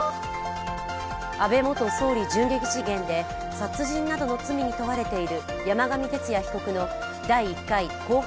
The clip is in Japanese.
安倍元総理銃撃事件で殺人などの罪に問われている山上徹也被告の第１回公判